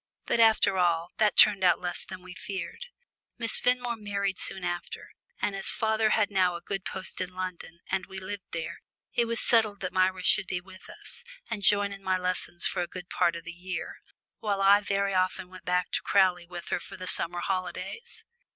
But after all, that turned out less than we feared. Miss Fenmore married soon after, and as father had now a good post in London, and we lived there, it was settled that Myra should be with us, and join in my lessons for a good part of the year, while I very often went back to Crowley with her for the summer holidays.